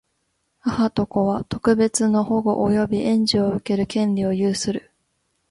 母と子とは、特別の保護及び援助を受ける権利を有する。